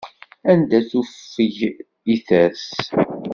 Anda tufeg i ters.